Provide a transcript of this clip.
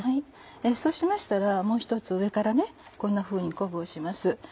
そうしましたらもう一つ上からこんなふうに昆布をします。